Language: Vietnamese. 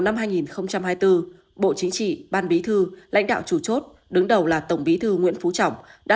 năm hai nghìn hai mươi bốn bộ chính trị ban bí thư lãnh đạo chủ chốt đứng đầu là tổng bí thư nguyễn phú trọng đã